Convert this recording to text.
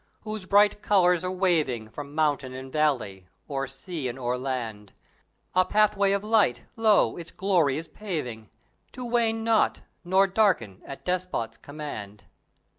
whose bright colors are waving From mountain and valley; o'er sea and o'er land; A pathway of light, Lo! its glory is paving, To wane not, nor darken, at despot's command!